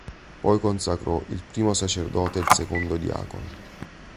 Poi consacrò il primo sacerdote e il secondo diacono.